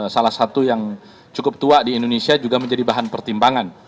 salah satu yang cukup tua di indonesia juga menjadi bahan pertimbangan